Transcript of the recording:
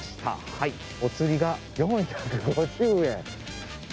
はいおつりが４５０円。